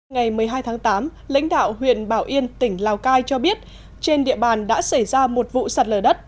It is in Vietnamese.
ngày một mươi hai tháng tám lãnh đạo huyện bảo yên tỉnh lào cai cho biết trên địa bàn đã xảy ra một vụ sạt lở đất